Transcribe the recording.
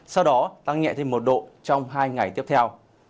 sau đó tăng nhẹ thêm một độ trong hai ngày tiếp theo